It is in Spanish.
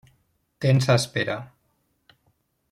Tensa Espera...